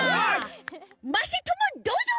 まさともどうぞ！